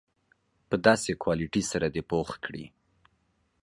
په داسې کوالیټي سره دې پوخ کړي.